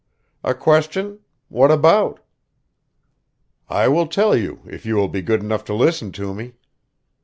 "A question? What about?" "I will tell you if you will be good enough to listen to me.